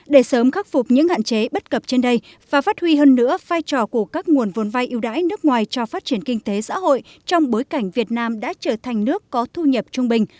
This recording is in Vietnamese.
để sớm khắc phục những hạn chế bất cập trên đây và phát huy hơn nữa vai trò của các nguồn vốn vai yêu đãi nước ngoài cho phát triển kinh tế xã hội trong bối cảnh việt nam đã trở thành nước có thu nhập trung bình